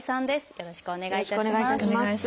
よろしくお願いします。